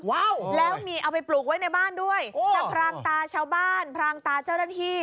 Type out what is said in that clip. ว้าวแล้วมีเอาไปปลูกไว้ในบ้านด้วยจะพรางตาชาวบ้านพรางตาเจ้าหน้าที่